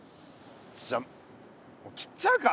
じゃあもう切っちゃうか！